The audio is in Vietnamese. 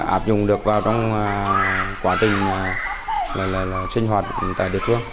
áp dụng được vào trong quá trình sinh hoạt tại địa phương